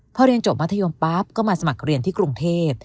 พอเรียนจบมัธยมปั๊บก็มาสมัครเรียนที่กรุงเทพ